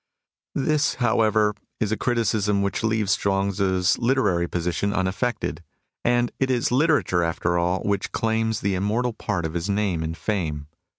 This, however, is a criticism which leaves Chuang Tzu's literary position unaffected ; and it is literature, after all, which claims the im mortal part of his name and fame.